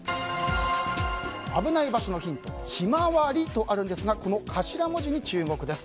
危ない場所のヒント「ひまわり」とあるんですがこの頭文字に注目です。